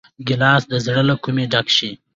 ګیلاس د زړه له کومي ډک شي.